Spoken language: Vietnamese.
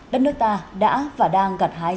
đất nước ta đã và đang gặt hái